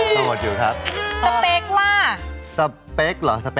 ทั้งหมดอยู่กันครับ